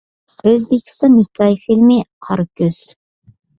ئۆزبېكىستان ھېكايە فىلىمى: «قارا كۆز» .